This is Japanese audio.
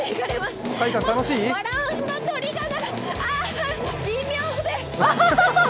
バランスの取り方が微妙です！